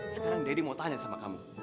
sekarang deddy mau tanya sama kamu